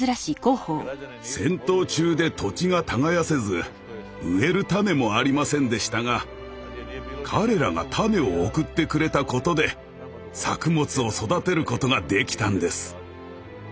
戦闘中で土地が耕せず植える種もありませんでしたが彼らが種を送ってくれたことで作物を育てることができたんです。